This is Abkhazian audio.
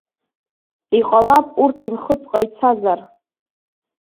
Иҟалап, урт нхыҵҟа ицазар.